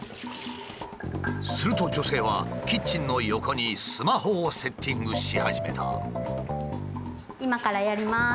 すると女性はキッチンの横にスマホをセッティングし始めた。